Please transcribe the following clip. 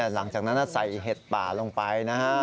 หลังจากนั้นน่ะใส่เห็ดป่าลงไปนะครับ